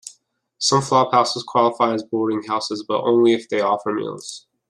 Some flophouses qualify as boarding houses, but only if they offer meals.